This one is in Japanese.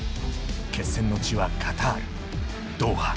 決戦の地はカタール・ドーハ。